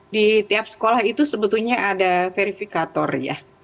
di tiap sekolah itu sebetulnya ada verifikator ya